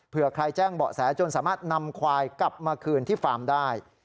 เพื่อใครแจ้งเบาะแสจนสามารถนำควายกลับมาคืนที่ฟาร์มได้